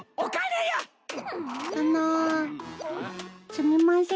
すみません。